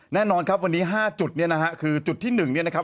แน่นอนครับวันนี้๕จุดเนี่ยนะฮะคือจุดที่๑เนี่ยนะครับ